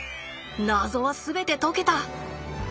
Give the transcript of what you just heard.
謎は全て解けた。